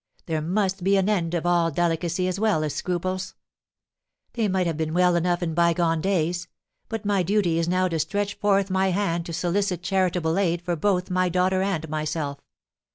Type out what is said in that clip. There must be an end of all delicacy as well as scruples. They might have been well enough in bygone days; but my duty is now to stretch forth my hand to solicit charitable aid for both my daughter and myself.